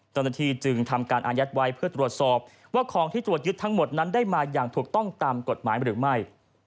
เจ้าหน้าที่จึงทำการอายัดไว้เพื่อตรวจสอบว่าของที่ตรวจยึดทั้งหมดนั้นได้มาอย่างถูกต้องตามกฎหมายหรือไม่